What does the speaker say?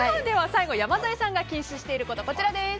最後、山添さんが禁止していること。